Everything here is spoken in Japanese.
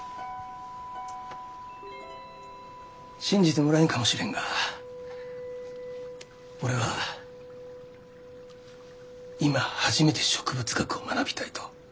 信じてもらえんかもしれんが俺は今初めて植物学を学びたいと。